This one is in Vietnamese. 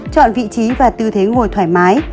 chọn vị trí và tư thế ngồi thoải mái